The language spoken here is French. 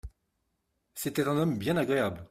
C'était un homme bien agréable